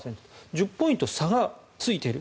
１０ポイント差がついている。